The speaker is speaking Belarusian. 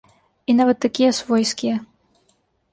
І нават такія свойскія.